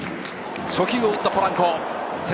初球を打ったポランコ。